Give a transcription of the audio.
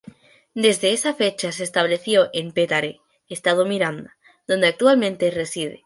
Desde esa fecha se estableció en Petare, estado Miranda, donde actualmente reside.